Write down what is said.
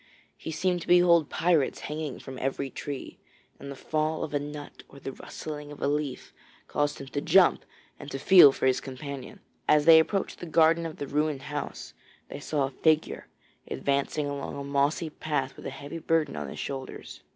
He seemed to behold pirates hanging from every tree, and the fall of a nut or the rustling of a leaf caused him to jump and to feel for his companion. As they approached the garden of the ruined house, they saw a figure advancing along a mossy path with a heavy burden on his shoulders.